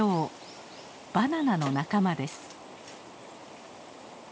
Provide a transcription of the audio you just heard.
バナナの仲間です。